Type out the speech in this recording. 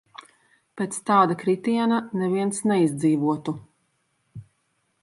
Pēc tāda kritiena neviens neizdzīvotu.